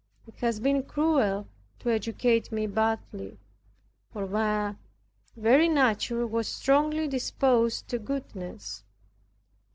It had been cruel to educate me badly; for my very nature was strongly disposed to goodness.